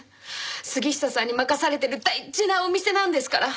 杉下さんに任されてる大事なお店なんですから。